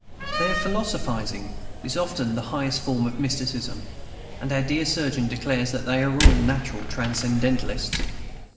Their philosophizing is often the highest form of mysticism; and our dear surgeon declares that they are all natural transcendentalists.